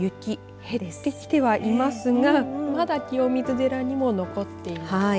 減ってきてはいますがまだ清水寺に残ってますね。